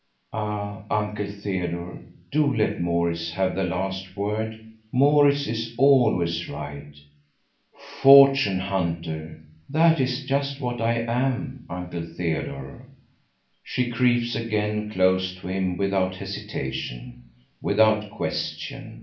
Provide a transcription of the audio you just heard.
"Ah, Uncle Theodore, do let Maurits have the last word. Maurits is always right. Fortune hunter,—that is just what I am, Uncle Theodore." She creeps again close to him without hesitation, without question.